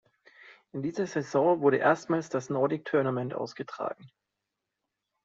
In dieser Saison wurde erstmals das Nordic Tournament ausgetragen.